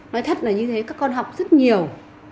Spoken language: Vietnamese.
nói thật là như thế các con học rất nhiều